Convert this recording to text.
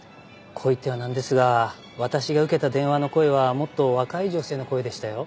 こう言ってはなんですが私が受けた電話の声はもっと若い女性の声でしたよ。